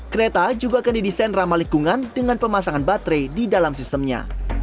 kereta juga akan didesain ramah lingkungan dengan pemasangan baterai di dalam sistemnya